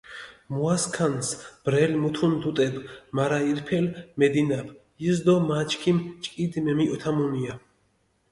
მუასქანს ბრელი მუთუნ დუტებ, მარა ირფელი მედინაფჷ ის დო მა ჩქიმი ჭკიდი მემიჸოთამუნია.